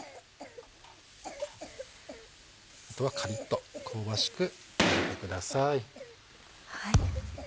あとはカリっと香ばしく揚げてください。